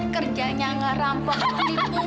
kerjanya ngerampok di bumi